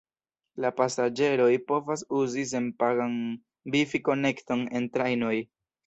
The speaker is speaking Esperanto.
La pasaĝeroj povas uzi senpagan vifi-konekton en trajnoj.